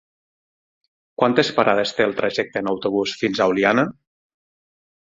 Quantes parades té el trajecte en autobús fins a Oliana?